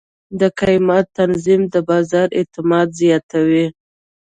د قیمت تنظیم د بازار اعتماد زیاتوي.